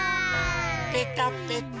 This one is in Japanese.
ぺたぺた。